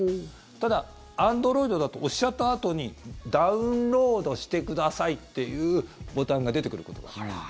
ただ、アンドロイドだと押しちゃったあとにダウンロードしてくださいというボタンが出てくることがあります。